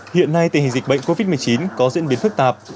hiện nay tình hình dịch bệnh covid một mươi chín có diễn biến phức tạp